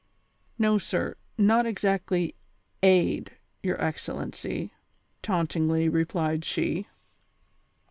" Xo, sir ; not exactly ' aid,' your excellency," tauntingly replied she.